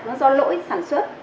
nó do lỗi sản xuất